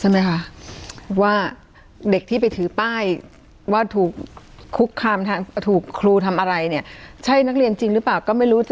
แม่ลูกคู่นี้เนาะ